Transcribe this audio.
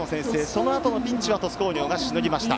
そのあとのピンチは鳥栖工業がしのぎました。